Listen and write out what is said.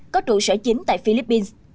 có trụ sở chính tại philippines